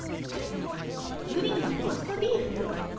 ブリのローストビーフ？